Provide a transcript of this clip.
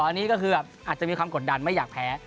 อันนี้ก็คือแบบอาจจะมีความกดดันไม่อยากแพ้